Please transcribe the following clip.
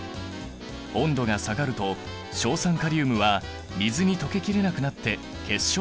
温度が下がると硝酸カリウムは水に溶けきれなくなって結晶となる。